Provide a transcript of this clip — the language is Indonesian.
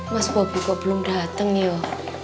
mas bobby kok belum dateng yuk